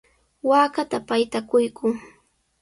Waakata payta quykuu.